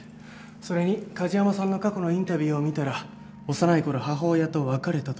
それに梶山さんの過去のインタビューを見たら幼いころ母親と別れたと書いてありました。